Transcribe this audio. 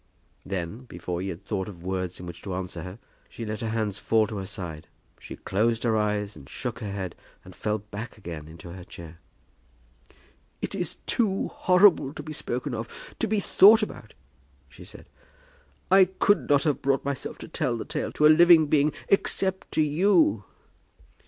Then, before he had thought of words in which to answer her, she let her hands fall by her side, she closed her eyes, and shook her head, and fell back again into her chair. "It is too horrible to be spoken of, to be thought about," she said. "I could not have brought myself to tell the tale to a living being, except to you."